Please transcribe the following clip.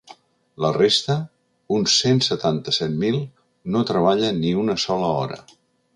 La resta, uns cent setanta-set mil, no treballa ni una sola hora.